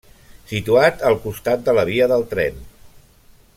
Situat al costat de la via del tren.